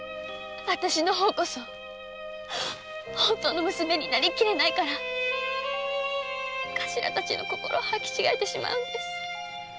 あたしの方こそ本当の娘になりきれないからカシラたちの心を履き違えてしまうんです。